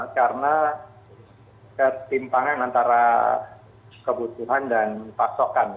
karena ketimpangan antara kebutuhan dan pasokan ya